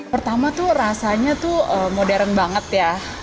pertama tuh rasanya tuh modern banget ya